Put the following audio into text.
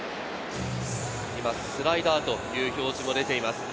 今スライダーという表示も出ています。